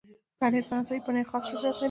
پنېر فرانسوي پنېر خاص شهرت لري.